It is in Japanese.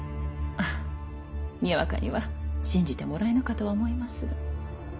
にわかには信じてはもらえぬかと思いますが。